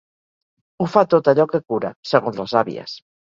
Ho fa tot allò que cura, segons les àvies.